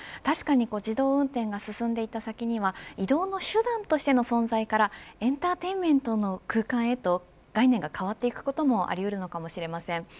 確かに自動運転が進んでいった先には移動の手段としての存在からエンターテインメントの空間へと概念が変わっていくこともありうるのかもしれません。